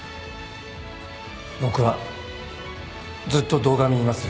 僕はずっと堂上にいますよ。